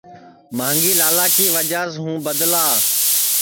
مانگھی لالا کی وجہ سے ہوں بدلا